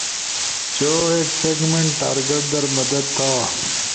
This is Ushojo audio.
چھو ایک سیگمنٹ ٹارگٹ در مدد تھا